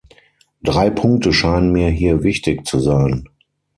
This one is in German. Drei Punkte scheinen mir hier wichtig zu sein.